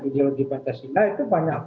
ideologi pancasila itu banyak